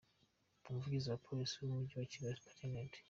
Umuvugizi wa Polisi mu Mujyi wa Kigali, Supt.